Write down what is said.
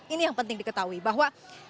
ini yang penting diketahui bahwa